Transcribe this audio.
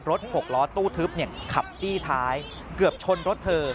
หกล้อตู้ทึบขับจี้ท้ายเกือบชนรถเธอ